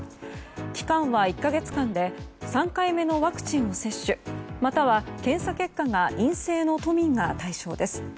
期間は１か月間で３回目のワクチンを接種または、検査結果が陰性の都民が対象です。